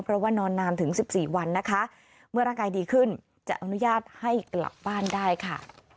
เพราะว่านอนนานถึง๑๔วันนะคะเมื่อร่างกายดีขึ้นจะอนุญาตให้กลับบ้านได้ค่ะ